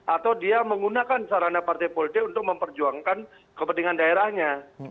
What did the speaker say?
atau dia menggunakan sarana partai politik untuk memperjuangkan kepentingan daerahnya